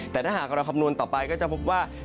แต่ถ้าหากเราคำนวณต่อไปก็จะพบว่า